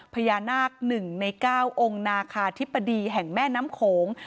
พญานาค๑ใน๙องค์นาคาธิบดีแห่งแม่น้ำโขง